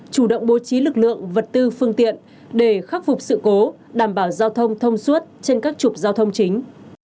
chủ động bố trí lực lượng vật tư phương tiện để khắc phục sự cố đảm bảo giao thông thông suốt trên các trục giao thông chính